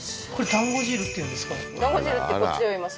だんご汁ってこっちでは言います